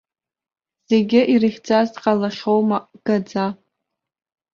Зегьы ирыхьӡаз дҟалахьоума, гаӡа!